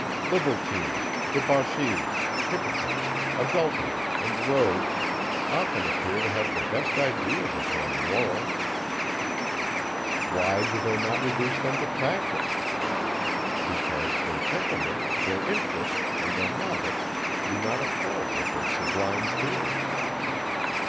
Libertines, debauchees, hypocrites, adulterers, and rogues, often appear to have the best ideas upon morals. Why do they not reduce them to practice? Because their temperament, their interest, and their habits do not accord with their sublime theories.